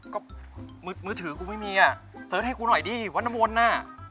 ก็มือถือกูไม่มีอ่ะเสิร์ชให้กูหน่อยดิวัดน้ำมนต์น่ะ